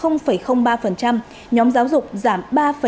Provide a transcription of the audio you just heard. nhóm giáo dục giảm ba ba mươi ba